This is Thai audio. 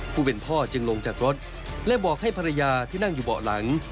ผู้เป็นพ่อจึงลงจากรถและบอกให้ภรรยาที่นั่งอยู่เบาะหลัง